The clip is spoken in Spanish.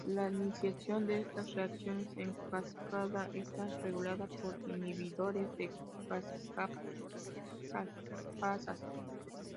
La iniciación de estas reacciones en cascada está regulada por inhibidores de caspasas.